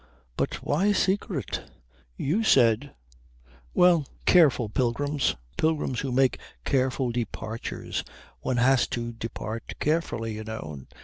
"But why secret? You said " "Well, careful pilgrims. Pilgrims who make careful departures. One has to depart carefully, you know.